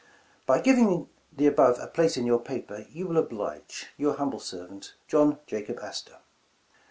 *' 'By giving the above a place in your paper, you will oblige, '' 'Your humble servant, '' 'JOHN JACOB ASTOR.'